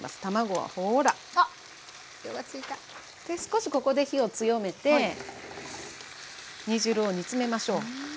で少しここで火を強めて煮汁を煮詰めましょう。